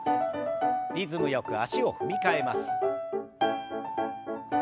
リズムよく足を踏み替えます。